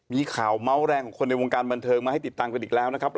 มีข่าวเมาส์แรงของคนในวงการบันเทิงมาให้ติดตามกันอีกแล้วนะครับ